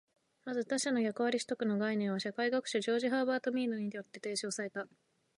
まず、「他者の役割取得」の概念は社会学者ジョージ・ハーバート・ミードによって提唱された。